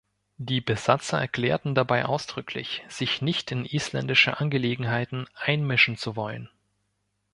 Die Besatzer erklärten dabei ausdrücklich, sich nicht in isländische Angelegenheiten einmischen zu wollen.